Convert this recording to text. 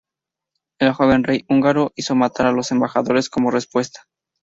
El joven rey húngaro hizo matar a los embajadores como respuesta.